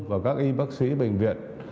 và các y bác sĩ bệnh viện